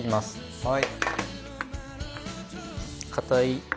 はい。